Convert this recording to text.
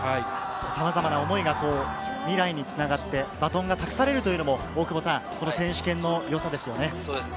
さまざまな思いが未来につながってバトンが託されるというのも、選手権の良さですね。